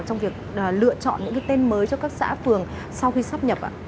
trong việc lựa chọn những cái tên mới cho các xã phường sau khi sắp nhập